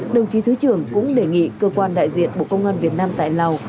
đồng chí thứ trưởng cũng đề nghị cơ quan đại diện bộ công an việt nam tại lào